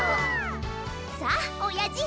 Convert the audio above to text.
さあおやじ。